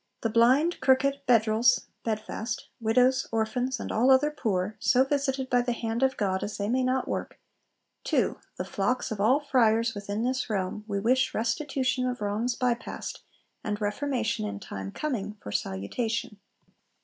The Blind, Crooked, Bedrels [bedfast], Widows, Orphans, and all other Poor, so visited by the hand of God as they may not work, TO The Flocks of all Friars within this realm, we wish restitution of wrongs bypast, and reformation in time coming, for salutation.